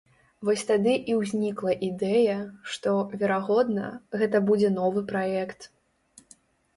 Вось тады і ўзнікла ідэя, што, верагодна, гэта будзе новы праект.